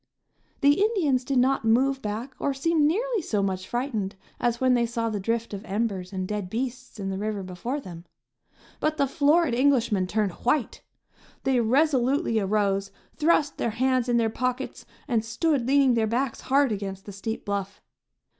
The Indians did not move back or seem nearly so much frightened as when they saw the drift of embers and dead beasts in the river before them; but the florid Englishmen turned white! They resolutely arose, thrust their hands in their pockets and stood leaning their backs hard against the steep bluff.